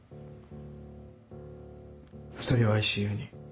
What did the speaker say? ２人をＩＣＵに。